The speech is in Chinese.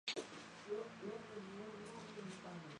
太守怀恨而将他捕拿。